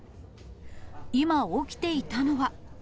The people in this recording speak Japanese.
今、起きていたのは。